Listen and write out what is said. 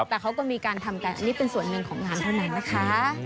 แต่เขาก็มีการทำกันอันนี้เป็นส่วนหนึ่งของงานเท่านั้นนะคะ